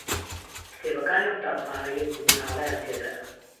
کتێبەکانی قوتابخانە یەک دنیا هەڵەیان تێدایە.